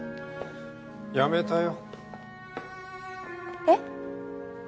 辞めたよえっ？